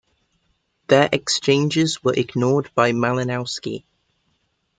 Their exchanges were ignored by Malinowski.